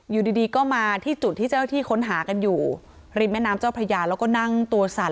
อยู่ดีก็มาที่จุดที่เจ้าที่ค้นหากันอยู่ริมแม่น้ำเจ้าพระยาแล้วก็นั่งตัวสั่น